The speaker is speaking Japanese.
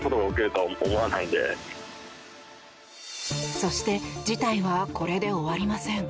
そして事態はこれで終わりません。